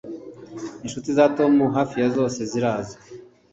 Inshuti za Tom hafi ya zose zirazwi